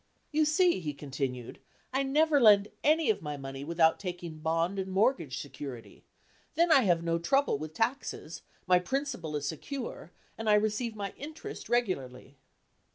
"You see," he continued, "I never lend any of my money without taking bond and mortgage security, then I have no trouble with taxes; my principal is secure, and I receive my interest regularly."